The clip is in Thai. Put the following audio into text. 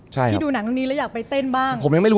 ที่ดูหนังตรงนี้แล้วอยากไปเต้นบ้าง